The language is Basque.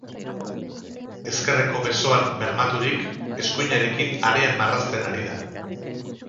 Ezkerreko besoan bermaturik, eskuinarekin harean marrazten ari da.